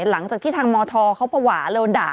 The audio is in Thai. หลังจากที่ทางมธเขาประหว่าเลยอ่อนด่า